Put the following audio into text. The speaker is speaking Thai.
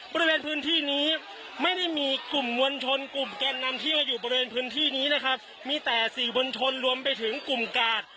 บริเวณพื้นที่นี้ไม่ได้มีกลุ่มมวลชนกลุ่มแกนนำที่มาอยู่บริเวณพื้นที่นี้นะครับมีแต่สื่อมวลชนรวมไปถึงกลุ่มกาด